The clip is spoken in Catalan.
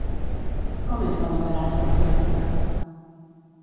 Com és la membrana plasmàtica?